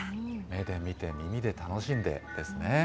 目で見て、耳で楽しんでですね。